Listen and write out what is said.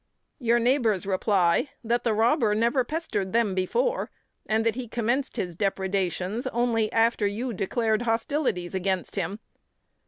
Your neighbours reply that the robber never pestered them before, and that he commenced his depredations only after you declared hostilities against him.